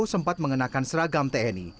sempat mengenakan seragam tni